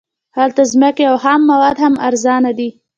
هلته ځمکې او خام مواد هم ارزانه دي